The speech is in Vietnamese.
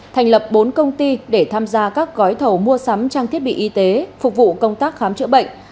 thành lập bốn công ty để tham gia các gói thầu mua sắm trang thiết bị y tế phục vụ công tác khám chữa bệnh